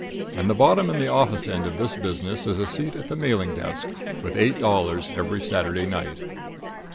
And the bottom in the office end of this business is a seat at the mailing desk, with eight dollars every Saturday night.